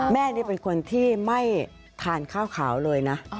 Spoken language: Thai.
แม่นี่เป็นคนที่ไม่ทานข้าวขาวเลยนะ